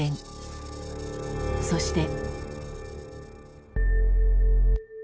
そして。